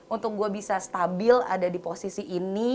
untuk gue bisa stabil ada di posisi ini